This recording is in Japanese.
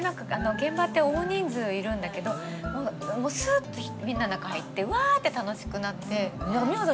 現場って大人数いるんだけどもうすっとみんなの中入ってうわって楽しくなって。